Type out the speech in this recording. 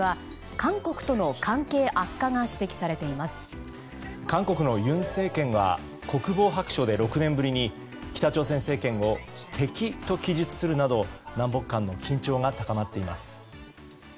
韓国の尹政権は国防白書で６年ぶりに北朝鮮政権を敵と記述するなど南北間の緊張が高まっています。